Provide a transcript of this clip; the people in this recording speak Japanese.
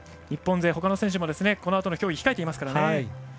日本勢、ほかの選手もこのあと控えていますからね。